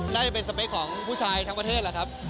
ได้เป็นสเปคของผู้ชายทั้งประเทศล่ะครับ